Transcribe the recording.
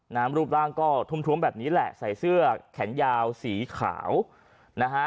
น่ารูปร่างก็ถวงแบบนี้แหละใส่เสื้อแขนยาวสีขาวนะฮะ